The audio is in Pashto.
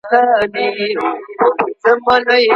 که هر يو ملامت وو.